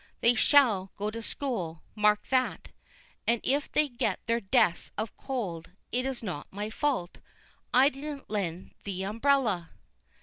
They shall go to school; mark that. And if they get their deaths of cold, it's not my fault I didn't lend the umbrella!"